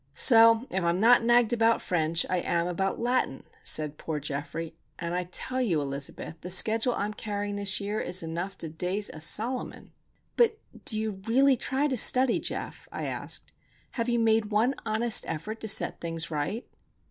"So if I'm not nagged about French, I am about Latin," said poor Geoffrey; "and I tell you, Elizabeth, the schedule I'm carrying this year is enough to daze a Solomon." "But do you really try to study, Geof?" I asked. "Have you made one honest effort to set things right?"